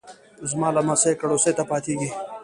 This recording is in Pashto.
زما لمسیو کړوسیو ته پاتیږي